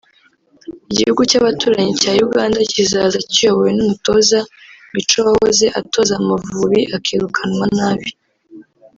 Igihugu cy’abaturanyi cya Uganda kizaza kiyobowe n’umutoza Micho wahoze atoza Amavubi akirukanwa nabi